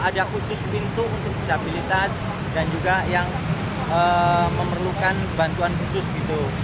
ada khusus pintu untuk disabilitas dan juga yang memerlukan bantuan khusus gitu